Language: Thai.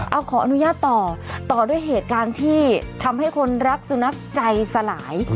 เอาขออนุญาตต่อต่อด้วยเหตุการณ์ที่ทำให้คนรักสุนัขใจสลาย